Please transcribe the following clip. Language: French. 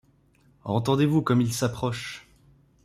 Entendez-vous comme il s’approche !